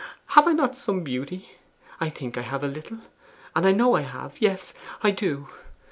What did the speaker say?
Have I not some beauty? I think I have a little and I know I have yes, I do!